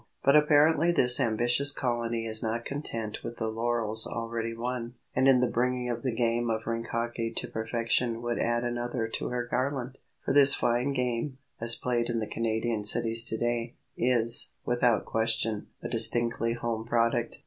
But apparently this ambitious colony is not content with the laurels already won, and in the bringing of the game of rink hockey to perfection would add another to her garland; for this fine game, as played in the Canadian cities to day, is, without question, a distinctly home product.